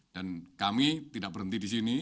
dan kami tidak berhenti di sini